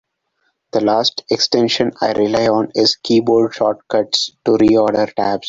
The last extension I rely on is Keyboard Shortcuts to Reorder Tabs.